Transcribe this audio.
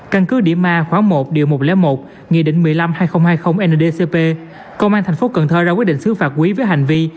căn cứ đĩa ma khoảng một điều một trăm linh một nghị định một trăm năm mươi hai nghìn hai mươi nadcp công an thành phố cần thơ ra quyết định xứ phạt quý với hành vi